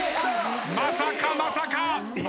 まさかまさか！